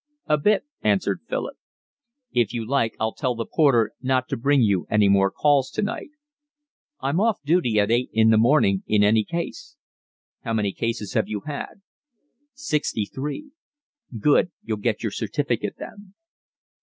"A bit," answered Philip. "If you like I'll tell the porter not to bring you any more calls tonight." "I'm off duty at eight in the morning in any case." "How many cases have you had?" "Sixty three." "Good. You'll get your certificate then."